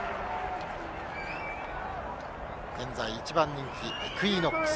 現在１番人気イクイノックス。